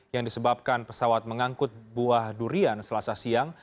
yang disebabkan pesawat mengangkut buah durian selasa siang